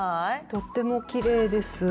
とってもきれいです。